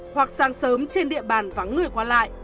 hoặc sáng sớm trên địa bàn vắng người qua lại